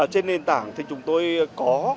trên nền tảng thì chúng tôi có